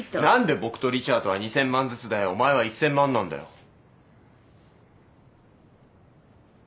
何で僕とリチャードは２，０００万ずつでお前は１，０００万なんだよ。